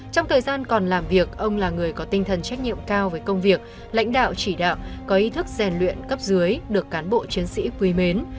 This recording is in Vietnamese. trong thời gian còn làm việc ông là người có tinh thần trách nhiệm cao với công việc lãnh đạo chỉ đạo có ý thức rèn luyện cấp dưới được cán bộ chiến sĩ quý mến